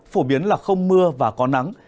phổ biến là không mưa và có nắng